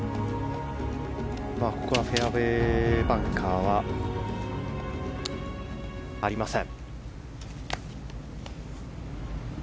ここはフェアウェーバンカーはありません。